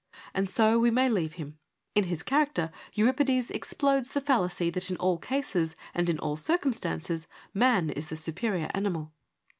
And so we may leave him : in his character Euripides explodes the fallacy that in all cases and in all circumstances man is the superior animal.